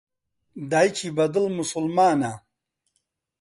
دایکی بەدڵ موسوڵمانە.